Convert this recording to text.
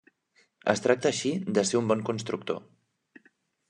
Es tracta així de ser un bon constructor.